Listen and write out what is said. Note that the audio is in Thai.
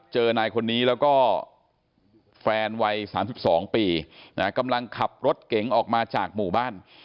นายคนนี้แล้วก็แฟนวัย๓๒ปีกำลังขับรถเก๋งออกมาจากหมู่บ้าน